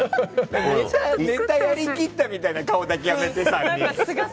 ネタをやり切ったみたいな顔だけやめてよ、３人。